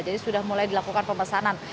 jadi sudah mulai dilakukan pemesanan